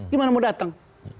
gimana mau datang